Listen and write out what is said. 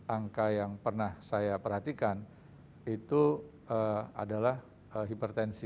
angka yang pernah saya perhatikan itu adalah hipertensi